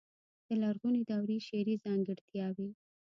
د لرغونې دورې شعري ځانګړتياوې.